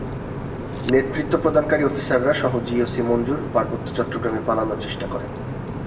নেতৃত্ব প্রদানকারী অফিসাররা সহ জিওসি মঞ্জুর পার্বত্য চট্টগ্রামে পালানোর চেষ্টা করেন।